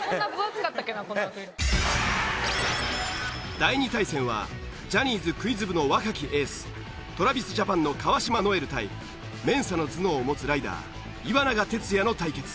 第２対戦はジャニーズクイズ部の若きエースＴｒａｖｉｓＪａｐａｎの川島如恵留対ＭＥＮＳＡの頭脳を持つライダー岩永徹也の対決。